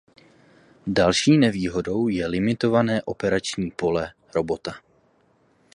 Další nevýhodou je limitované operační pole robota.